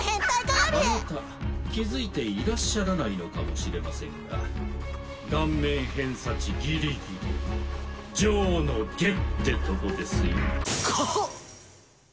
あなた気づいていらっしゃらないのかもしれませんが顔面偏差値ギリギリ上の下ってとこですよかはっ！